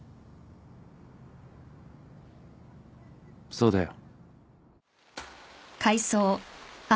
そうだよ。